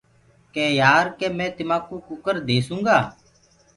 ڪي يآر ڪي مي تمآ ڪوُ ڪٚڪَر ديسونٚ گا۔